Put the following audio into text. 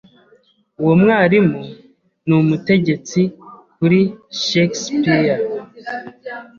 Uwo mwarimu ni umutegetsi kuri Shakespeare.